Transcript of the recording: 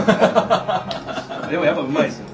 でもやっぱうまいですよ。